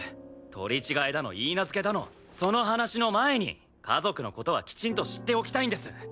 取り違えだの許嫁だのその話の前に家族の事はきちんと知っておきたいんです。